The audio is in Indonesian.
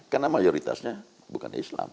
karena mayoritasnya bukan islam